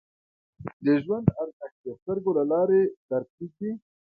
د ژوند ارزښت د سترګو له لارې درک کېږي